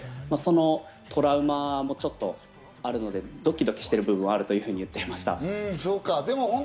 そのトラウマもちょっとあるので、ドキドキしている部分はあると言っていました。